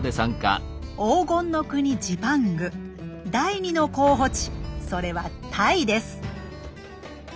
黄金の国ジパング第２の候補地それはタイです。